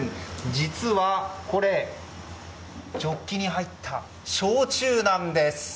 実はこれジョッキに入った焼酎なんです。